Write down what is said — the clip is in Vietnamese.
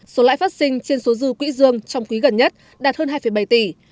số lãi phát sinh trên số dư quỹ dương trong quý gần nhất đạt hơn hai bảy tỷ